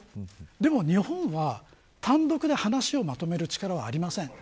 でも、日本は単独で話をまとめる力はありません。